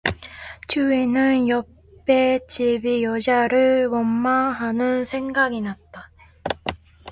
춘우는 옆의 집 여자를 원망하는 생각이 났다.